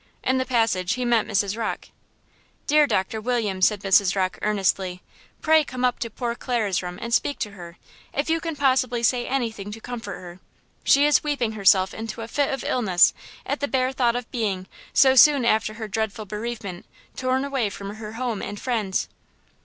In the passage he met Mrs. Rocke. "Dear Doctor Williams," said Mrs. Rocke, earnestly, "pray come up to poor Clara's room and speak to her, if you can possibly say anything to comfort her; she is weeping herself into a fit of illness at the bare thought of being, so soon after her dreadful bereavement, torn away from her home and friends."